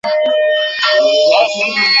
পানের বাটা ঘুরতে থাকে তাদের পেছনে পেছনে।